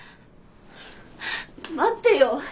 待ってよ！